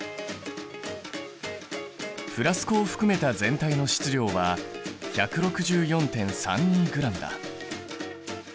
フラスコを含めた全体の質量は１６４．３２ｇだ。